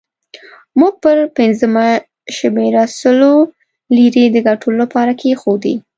موږ پر پنځمه شمېره سلو لیرې د ګټلو لپاره کېښودې.